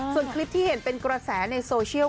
ส่วนคลิปที่เห็นเป็นกระแสในโซเชียล